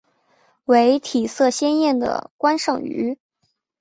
为体色鲜艳的观赏鱼。